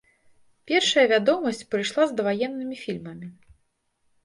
Першая вядомасць прыйшла з даваеннымі фільмамі.